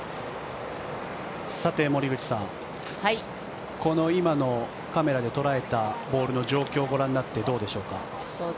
森口さん、この今のカメラで捉えたボールの状況をご覧になってどうでしょうか。